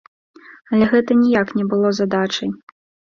Але гэта ніяк не было задачай.